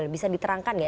bisa diterangkan ya